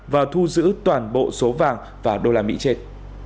và thu giữ toàn bộ số vàng và đô la mỹ trên